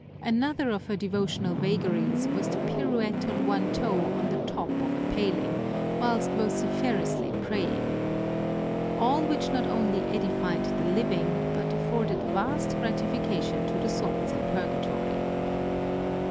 Another of her devotional vagaries was to pirouette on one toe on the top of a paling, whilst vociferously praying. All which not only edified the living, but afforded vast gratification to the souls in Purgatory.